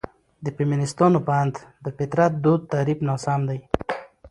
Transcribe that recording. د فيمنستانو په اند: ''...د فطرت دود تعريف ناسم دى.